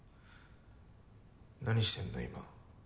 何してんの今。